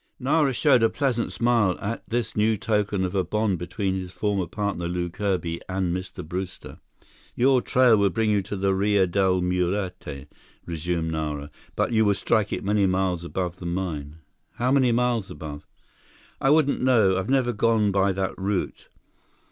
Nara showed a pleased smile at this new token of a bond between his former partner, Lew Kirby, and Mr. Brewster. "Your trail will bring you to the Rio Del Muerte," resumed Nara, "but you will strike it many miles above the mine." "How many miles above?" "I wouldn't know. I have never gone by that route.